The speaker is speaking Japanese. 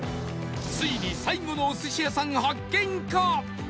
ついに最後のお寿司屋さん発見か？